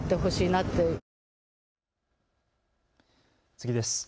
次です。